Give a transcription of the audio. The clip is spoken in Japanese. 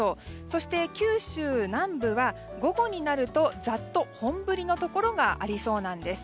そして、九州南部は午後になるとざっと本降りのところがありそうなんです。